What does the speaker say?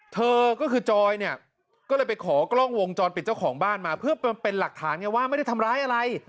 เธอก็คือจอยเนี่ยก็เลยไปขอกล้องวงจรปิดเจ้าของบ้านมาเพื่อเป็นหลักฐานไงว่าไม่ได้ทำร้ายอะไร